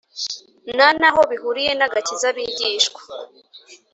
Ntanaho bihuriye nagakiza bigishwa